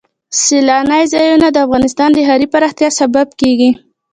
سیلانی ځایونه د افغانستان د ښاري پراختیا سبب کېږي.